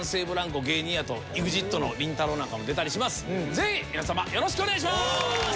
ぜひ皆様よろしくお願いしまーす！